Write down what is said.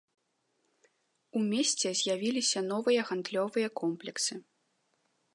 У месце з'явіліся новыя гандлёвыя комплексы.